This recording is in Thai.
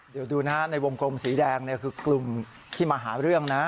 เดี๋ยวดูนะฮะในวงกลมสีแดงคือกลุ่มที่มาหาเรื่องนะ